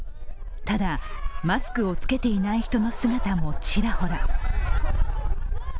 ただ、マスクを着けていない人の姿もちらほら。